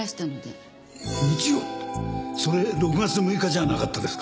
それ６月６日じゃなかったですか？